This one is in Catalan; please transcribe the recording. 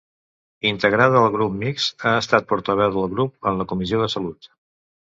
Integrada al Grup Mixt, ha estat portaveu del grup en la Comissió de Salut.